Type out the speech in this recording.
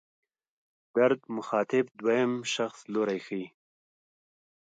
در د مخاطب دویم شخص لوری ښيي.